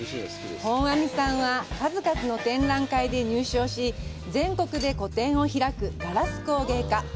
本阿彌さんは数々の展覧会で入賞し全国で個展を開くガラス工芸家。